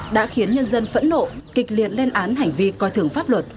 đã khiến nhân dân phẫn nộ kịch liệt lên án hành vi coi thường pháp luật